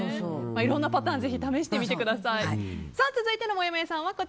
いろんなパターン試してみてください。